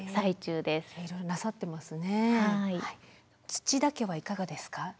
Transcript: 土田家はいかがですか？